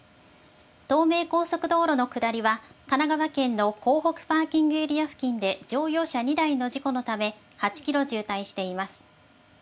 東名高速道路の下りは、神奈川県のこうほくパーキングエリア付近で、乗用車２台の事故のため、８キロ渋滞しています。